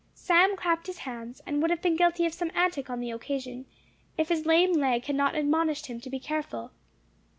Sam clapped his hands, and would have been guilty of some antic on the occasion, if his lame leg had not admonished him to be careful.